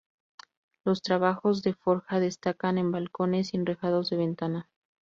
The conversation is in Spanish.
Los trabajos de forja destacan en balcones y enrejados de ventana.